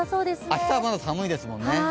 明日はまだ寒いですもんね。